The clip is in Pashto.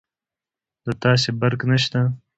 د تاسي برق شته